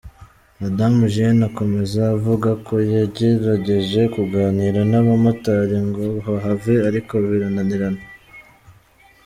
Madamu Jeanne akomeza avuga ko yagerageje kuganira n’abamotari ngo bahave ariko birananirana.